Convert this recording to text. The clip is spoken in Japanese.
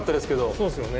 そうですよね。